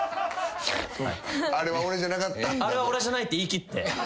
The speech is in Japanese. あれは俺じゃないって言いきって。